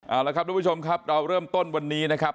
เอาละครับทุกผู้ชมครับเราเริ่มต้นวันนี้นะครับ